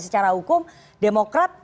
secara hukum demokrat